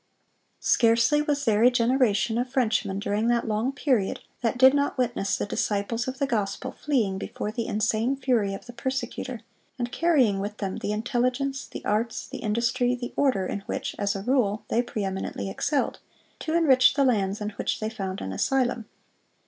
"Scarcely was there a generation of Frenchmen during that long period that did not witness the disciples of the gospel fleeing before the insane fury of the persecutor, and carrying with them the intelligence, the arts, the industry, the order, in which, as a rule, they pre eminently excelled, to enrich the lands in which they found an asylum.